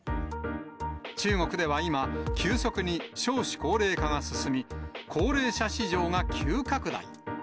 中国では今、急速に少子高齢化が進み、高齢者市場が急拡大。